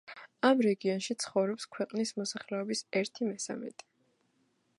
ამ რეგიონში ცხოვრობს ქვეყნის მოსახლეობის ერთი მესამედი.